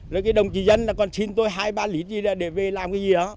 rồi cái đồng chí dân là còn xin tôi hai ba lít đi ra để về làm cái gì đó